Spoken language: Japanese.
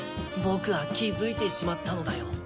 僕は気づいてしまったのだよ。